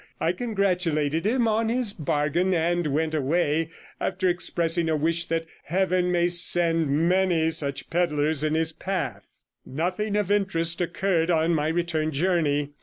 I congratulated him on his bargain, and went away after expressing a wish that Heaven might send many such pedlars in his path. 'Nothing of interest occurred on my return journey.